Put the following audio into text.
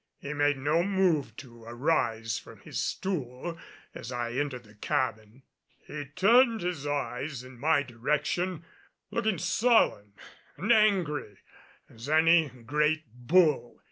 He made no move to arise from his stool as I entered the cabin. He turned his eyes in my direction, looking sullen and angry as any great bull.